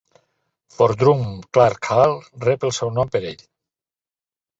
Fort Drum's Clark Hall rep el seu nom per ell.